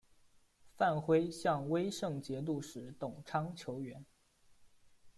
范晖向威胜节度使董昌求援。